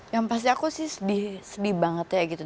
yang pasti aku sih sedih banget ya gitu